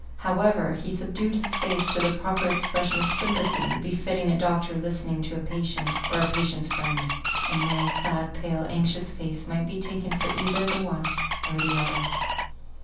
However, he subdued his face to the proper expression of sympathy, befitting a doctor listening to a patient, or a patient's friend (and Mary's sad, pale, anxious face might be taken for either the one or the other).